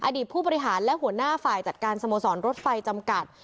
ผู้บริหารและหัวหน้าฝ่ายจัดการสโมสรรถไฟจำกัด